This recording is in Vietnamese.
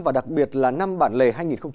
và đặc biệt là năm bản lề hai nghìn hai mươi